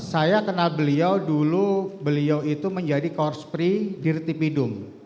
saya kenal beliau dulu beliau itu menjadi korspri dirtipidum